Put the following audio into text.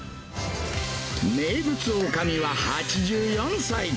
名物おかみは８４歳。